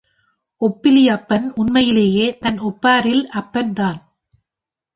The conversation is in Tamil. ஒப்பிலி அப்பன் உண்மையிலேயே தன் ஒப்பார் இல் அப்பன் தான்.